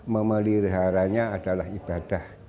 memeliharanya adalah ibadah